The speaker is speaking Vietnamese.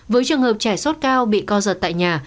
với trường hợp trẻ sốt cao bị co giật tại nhà